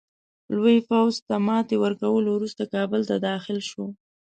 لوی پوځ ته ماتي ورکولو وروسته کابل ته داخل شو.